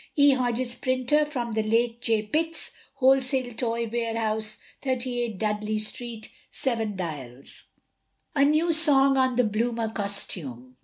E. Hodges, Printer (from the late J. Pitt's), Wholesale Toy Warehouse, 38, Dudley Street, 7 Dials. A NEW SONG ON THE BLOOMER COSTUME.